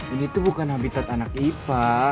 ini tuh bukan habitat anak iva